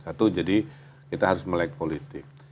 satu jadi kita harus melek politik